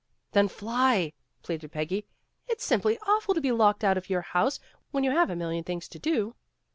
"Then, fly," pleaded Peggy, "It's simply aw ful to be locked out of your house when you have a million things to do.